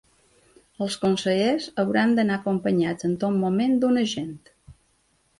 Els consellers hauran d’anar acompanyats en tot moment d’un agent.